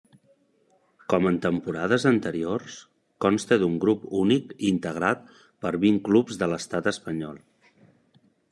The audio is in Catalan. Com en temporades anteriors, consta d'un grup únic integrat per vint clubs de l'estat espanyol.